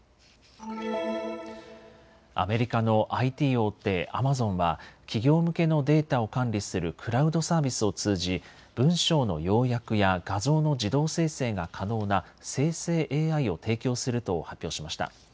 アメリカのＩＴ大手、アマゾンは企業向けのデータを管理するクラウドサービスを通じ文章の要約や画像の自動生成が可能な生成ＡＩを提供すると発表しました。